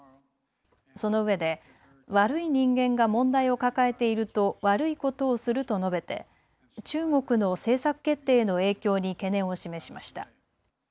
そのうえで悪い人間が問題を抱えていると悪いことをすると述べて中国の政策決定への影響に懸念を示しました。